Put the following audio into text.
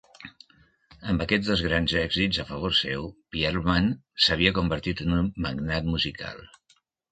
Amb aquests dos grans èxits a favor seu, Pearlman s'havia convertit en un magnat musical.